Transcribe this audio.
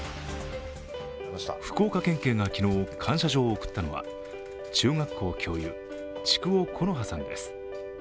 福岡県警が昨日感謝状を贈ったのは中学校教諭、築尾心花さんです。